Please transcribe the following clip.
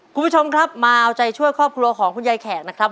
คุณผู้ชมครับมาเอาใจช่วยครอบครัวของคุณยายแขกนะครับ